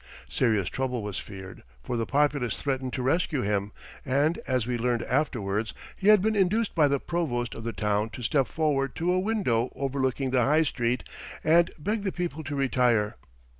] Serious trouble was feared, for the populace threatened to rescue him, and, as we learned afterwards, he had been induced by the provost of the town to step forward to a window overlooking the High Street and beg the people to retire.